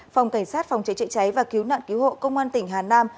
phòng cảnh sát phòng cháy chữa cháy và cứu nạn cứu hộ công an tỉnh hà nam